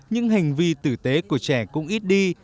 những hành vi tử tế của trẻ cũng ít đi